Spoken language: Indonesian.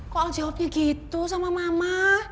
kok al jawabnya gitu sama mama